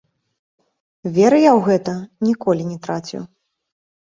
Веры я ў гэта ніколі не траціў.